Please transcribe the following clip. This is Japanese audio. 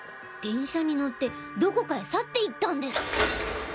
電車に乗ってどこかへ去っていったんです。